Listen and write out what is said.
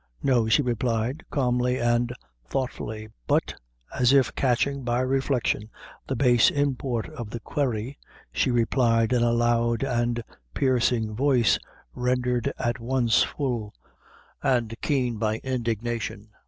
"No," she replied, calmly and thoughtfully; but, as if catching, by reflection, the base import of the query, she replied, in a loud and piercing voice, rendered at once full and keen by indignation.